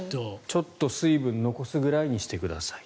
ちょっと水分残すぐらいにしてください。